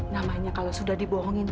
namanya kalau sudah dibohongin